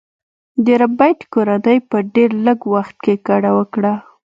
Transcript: د ربیټ کورنۍ په ډیر لږ وخت کې کډه وکړه